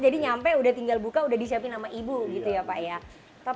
jadi sampai udah tinggal buka udah disiapin sama ibu gitu ya pak ya